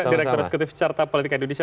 direktur eksekutif carta politika indonesia